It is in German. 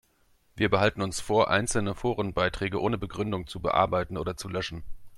Wir behalten uns vor, einzelne Forenbeiträge ohne Begründung zu bearbeiten oder zu löschen.